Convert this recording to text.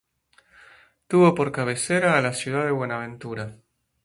Tuvo por cabecera a la ciudad de Buenaventura.